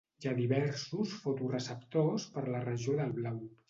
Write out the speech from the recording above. Hi ha diversos fotoreceptors per la regió del blau.